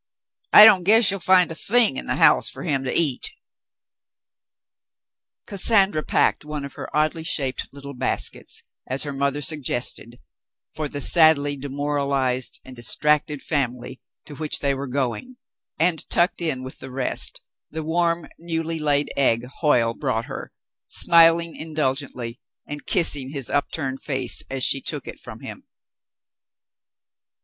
I don't guess you'll find a thing in the house fer him to eat." Cassandra packed one of her oddty shaped little baskets, as her mother suggested, for the sadly demoralized and distracted family to which they were going, and tucked in with the rest the warm, newly laid egg Hoyle brought her, smiling indulgently, and kissing his upturned face as she took it from him.